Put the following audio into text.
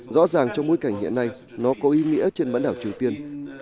rõ ràng trong bối cảnh hiện nay nó có ý nghĩa trên bán đảo triều tiên